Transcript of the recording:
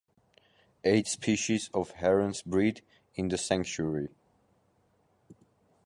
Eight species of Herons breed in the sanctuary.